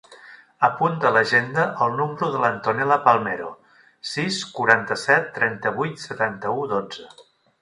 Apunta a l'agenda el número de l'Antonella Palmero: sis, quaranta-set, trenta-vuit, setanta-u, dotze.